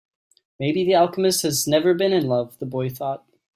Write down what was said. Maybe the alchemist has never been in love, the boy thought.